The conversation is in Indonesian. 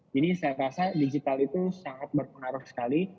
jadi saya rasa digital itu sangat berpengaruh sekali